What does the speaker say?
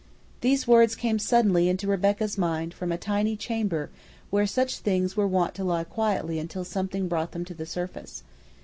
These words came suddenly into Rebecca's mind from a tiny chamber where such things were wont to lie quietly until something brought them to the surface.